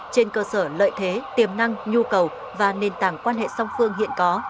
trên cơ sở lợi thế tiềm năng nhu cầu và nền tảng quan hệ song phương hiện có